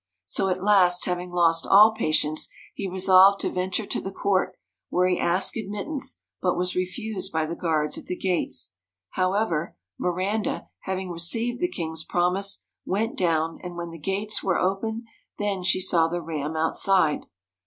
So at last having lost all patience, he resolved to venture to the court, where he asked admittance, but was refused by the guards at the gates. However, Miranda, having received the king's promise, went down, and when the gates were opened, then she saw the Ram outside.